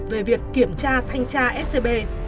về việc kiểm tra thanh tra scb